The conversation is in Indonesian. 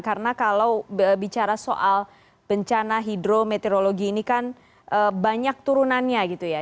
karena kalau bicara soal bencana hidrometeorologi ini kan banyak turunannya gitu ya